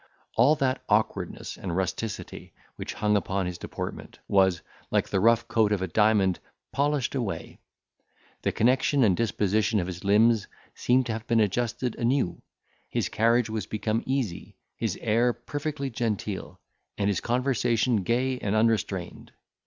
All that awkwardness and rusticity, which hung upon his deportment, was, like the rough coat of a diamond, polished away; the connexion and disposition of his limbs seemed to have been adjusted anew; his carriage was become easy, his air perfectly genteel, and his conversation gay and unrestrained.